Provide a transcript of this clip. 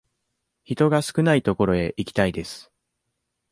人が少ない所へ行きたいです。